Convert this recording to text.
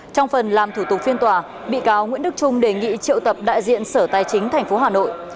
trong phần làm thủ tục phiên tòa bị cáo nguyễn đức trung đề nghị triệu tập đại diện sở tài chính tp hà nội